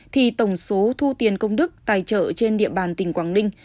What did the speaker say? thì tổng số thu tiền công đức tài trợ trên địa bàn tỉnh quảng ninh